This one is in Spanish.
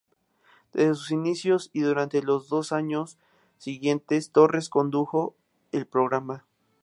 Desde su inicio y durante los dos años siguientes, Torres condujo el programa.